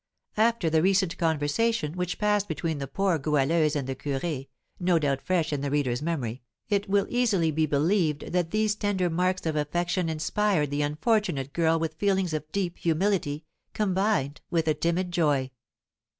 After the recent conversation which passed between the poor Goualeuse and the curé (no doubt fresh in the reader's memory), it will easily be believed that these tender marks of affection inspired the unfortunate girl with feelings of deep humility, combined with a timid joy.